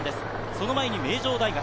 その前に名城大学。